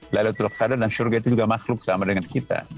laylatul qadar dan surga itu juga makhluk sama dengan kita